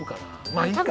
まあいいか！